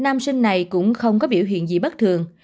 nam sinh này cũng không có biểu hiện gì bất thường